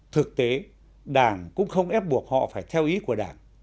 thực tế đảng cũng không ép buộc họ phải theo ý của đảng